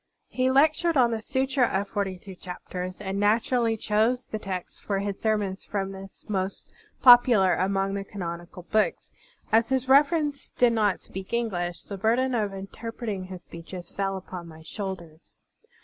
He lectured on the Sutra of Forty two Chapters, and naturally chose the texts for his sermons from this most popular among the canonical books. As His Reverence did not speak English, the burden of interpreting his speeches fell upon my shotilders.